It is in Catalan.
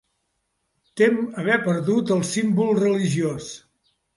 Tem haver perdut el símbol religiós.